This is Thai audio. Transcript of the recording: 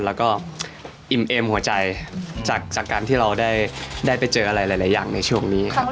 แล้วก็อิ่มเอ็มหัวใจจากการที่เราได้ไปเจออะไรหลายอย่างในช่วงนี้ครับ